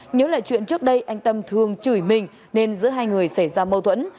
nhớ lại chuyện trước đây anh tâm thường chửi mình nên giữa hai người xảy ra mâu thuẫn